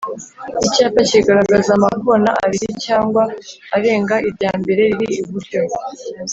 icyapa kigaragaza amakona abiri cyangwa arenga irya mbere riri iburyo